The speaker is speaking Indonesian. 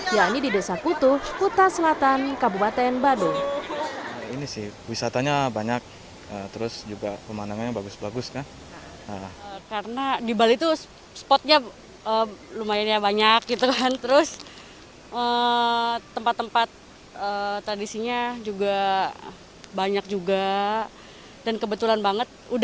yakni di desa kutu kuta selatan kabupaten badung